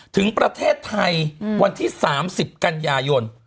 ถึงประเทศไทยวันที่๓๐กันยายน